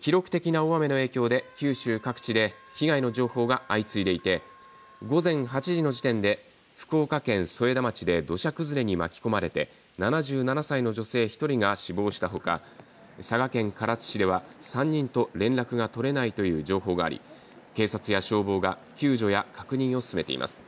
記録的な大雨の影響で九州各地で被害の情報が相次いでいて午前８時の時点で福岡県添田町で土砂崩れに巻き込まれて７７歳の女性１人が死亡したほか佐賀県唐津市では３人と連絡が取れないという情報があり警察や消防が救助や確認を進めています。